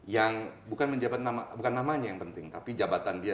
yang bukan namanya yang penting tapi jabatan dia